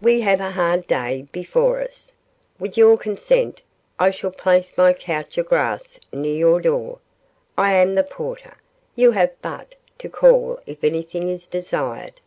We have a hard day before us. With your consent, I shall place my couch of grass near your door. I am the porter. You have but to call if anything is desired."